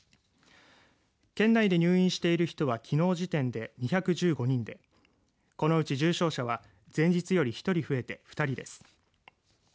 県内で入院している人はきのう時点で２１５人でこのうち重症者は前日より１人増えて、２人です。